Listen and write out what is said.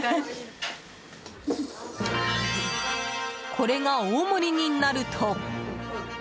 これが、大盛りになると。